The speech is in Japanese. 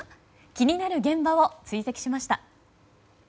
気になる現場を追跡しました。